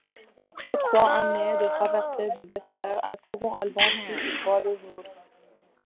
Après trois années de traversée du désert, un second album studio voit le jour.